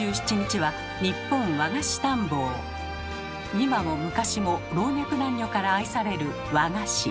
今も昔も老若男女から愛される和菓子。